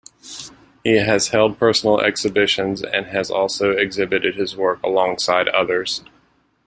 He has had personal exhibitions, and has also exhibited his work alongside others.